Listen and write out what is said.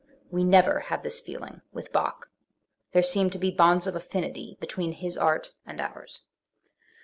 We never have this feeling with Bach; there seem to be bonds of affinity between his art and ours.